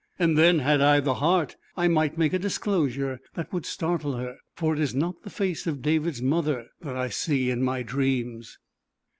And then, had I the heart, I might make a disclosure that would startle her, for it is not the face of David's mother that I see in my dreams.